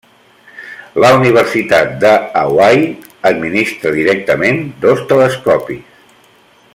La Universitat de Hawaii administra directament dos telescopis.